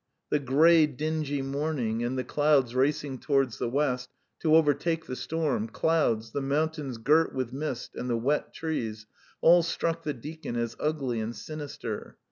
The grey, dingy morning, and the clouds racing towards the west to overtake the storm clouds, the mountains girt with mist, and the wet trees, all struck the deacon as ugly and sinister.